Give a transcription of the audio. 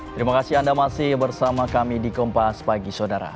terima kasih anda masih bersama kami di kompas pagi saudara